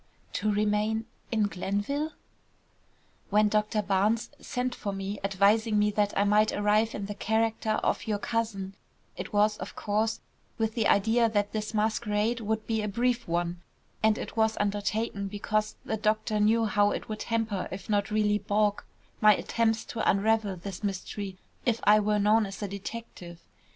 "To remain in Glenville?" "When Doctor Barnes sent for me, advising me that I might arrive in the character of your cousin, it was, of course, with the idea that this masquerade would be a brief one, and it was undertaken because the doctor knew how it would hamper if not really balk, my attempts to unravel this mystery if I were known as a detective.